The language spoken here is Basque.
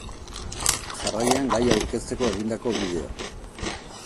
Jarraian gaia aurkezteko egindako bideoa.